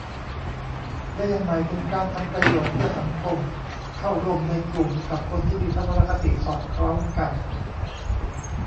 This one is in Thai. และยังหมายถึงการทำประโยชน์เพื่อสังคม เข้าร่วมในกลุ่มกับคนที่มีทัศนคติสอดคล้องกัน